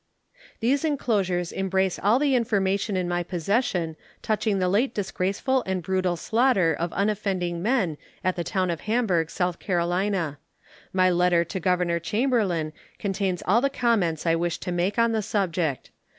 These inclosures embrace all the information in my possession touching the late disgraceful and brutal slaughter of unoffending men at the town of Hamburg, S.C. My letter to Governor Chamberlain contains all the comments I wish to make on the subject.